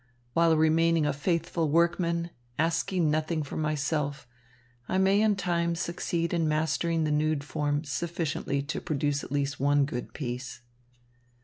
While remaining a faithful workman asking nothing for myself, I may in time succeed in mastering the nude form sufficiently to produce at least one good piece."